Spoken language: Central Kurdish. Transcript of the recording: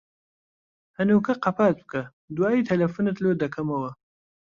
هەنووکە قەپات بکە، دوایێ تەلەفۆنت لۆ دەکەمەوە.